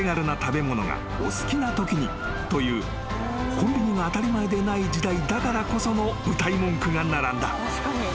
［コンビニが当たり前でない時代だからこそのうたい文句が並んだ］